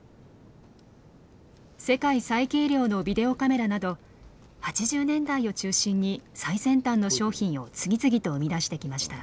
世界最軽量のビデオカメラなど８０年代を中心に最先端の商品を次々と生み出してきました。